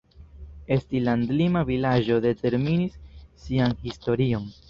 Esti landlima vilaĝo determinis sian historion.